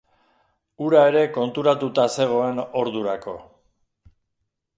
Hura ere konturatuta zegoen ordurako.